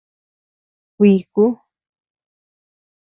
Kuiku.